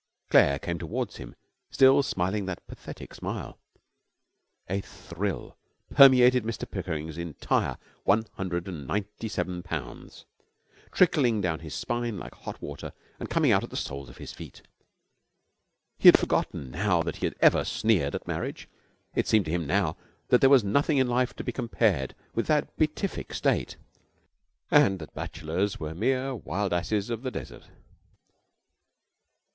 Claire came towards him, still smiling that pathetic smile. A thrill permeated Mr Pickering's entire one hundred and ninety seven pounds, trickling down his spine like hot water and coming out at the soles of his feet. He had forgotten now that he had ever sneered at marriage. It seemed to him now that there was nothing in life to be compared with that beatific state, and that bachelors were mere wild asses of the desert.